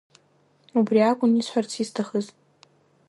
Убри акәын исҳәарц исҭахыз.